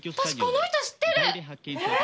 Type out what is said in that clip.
私この人知ってる！え！？